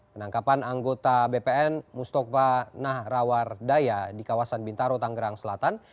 penangkapan anggota bpn mustafa nahrawar daya di kawasan bintaro tanggerang selatan